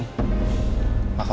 makam itu memang dibongkar bu